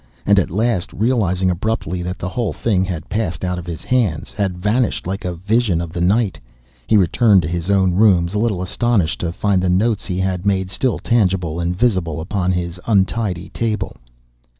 And at last, realising abruptly that the whole thing had passed out of his hands, had vanished like a vision of the night, he returned to his own rooms, a little astonished to find the notes he had made still tangible and visible upon his untidy table.